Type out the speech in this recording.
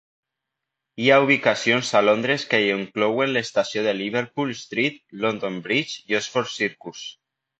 Hi ha ubicacions a Londres que inclouen l'estació de Liverpool Street, London Bridge i Oxfors Circus.